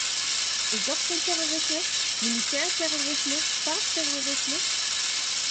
Is dat geen terrorisme - militair terrorisme, staatsterrorisme?